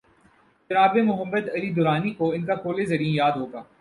جناب محمد علی درانی کوان کا قول زریں یاد ہو گا۔